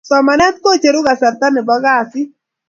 somanet kocheru kasarta Nepo kasit